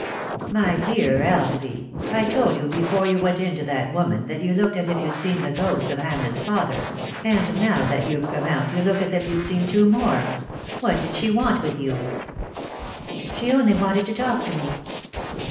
" My dear Elsie, I told you before you went in to that woman that you looked as if you'd seen the ghost of Hamlet's father ; and now that you've come out you 143 3i 9 iii^d by Google THE INTERRUPTED KISS look as if you'd seen two more. What did she want with you ?"" She only wanted to talk to me."